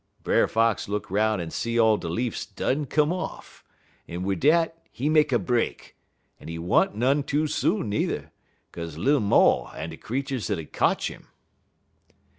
"Brer Fox look 'roun' en he see all de leafs done come off, en wid dat he make a break, en he wa'n't none too soon, n'er, 'kaze little mo' en de creeturs 'ud 'a' kotch 'im."